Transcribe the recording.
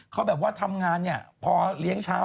เขาแบบว่าทำงานเนี่ยพอเลี้ยงเช้า